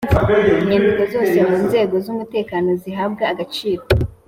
Inyandiko zose mu nzego z umutekano zihabwa agaciro